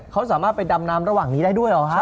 เขาสามารถไปดำน้ำระหว่างนี้ได้ด้วยเหรอฮะ